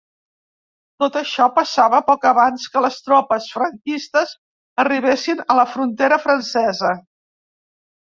Tot això passava poc abans que les tropes franquistes arribessin a la frontera francesa.